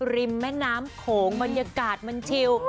ริมแม่น้ำโขงบรรยากาศมันชิว